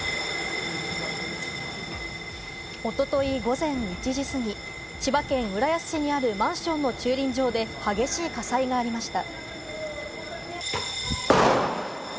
一昨日午前１時過ぎ、千葉県浦安市にあるマンションの駐輪場で激しい火災がありました。